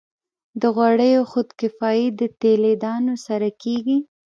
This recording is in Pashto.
د غوړیو خودکفايي د تیلي دانو سره کیږي.